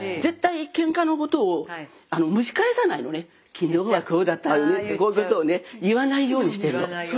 「昨日はこうだったわよね」ってこういうことをね言わないようにしてるの。